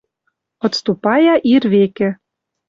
Отступая ир векӹ.